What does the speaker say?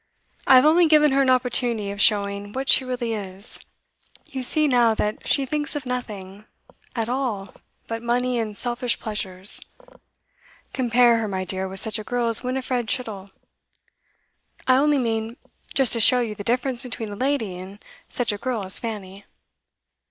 I have only given her an opportunity of showing what she really is. You see now that she thinks of nothing at all but money and selfish pleasures. Compare her, my dear, with such a girl as Winifred Chittle. I only mean just to show you the difference between a lady and such a girl as Fanny.